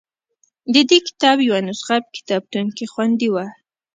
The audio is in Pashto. د دې کتاب یوه نسخه په کتابتون کې خوندي وه.